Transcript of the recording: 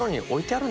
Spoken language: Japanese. ある！